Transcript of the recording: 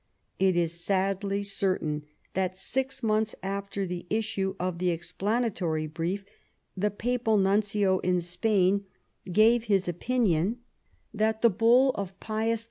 It is sadly certain that, six months after the issue of the explanatory brief, the Papal nuncio in Spain gave his opinion that the Bull of Pius V.